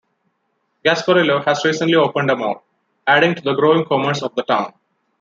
Gasparillo has recently opened a mall, adding to the growing commerce of the town.